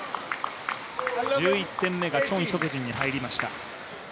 １１点目がチョン・ヒョクジンに入りました。